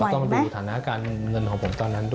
อ๋อก็ต้องดูฐานาการเงินของผมตอนนั้นด้วย